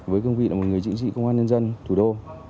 với công vị là một người chính trị công an nhân dân thủ đô